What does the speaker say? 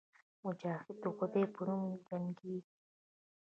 مجاهد د خدای په نوم جنګېږي.